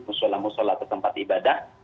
musola musola tempat ibadah